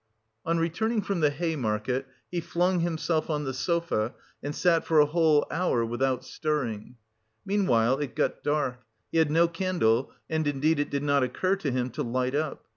On returning from the Hay Market he flung himself on the sofa and sat for a whole hour without stirring. Meanwhile it got dark; he had no candle and, indeed, it did not occur to him to light up.